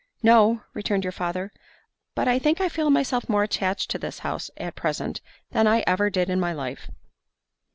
"No," returned your father; "but I think I feel myself more attached to this house at present, than ever I did in my life."